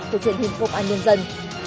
học truyện hình phục an nhân dân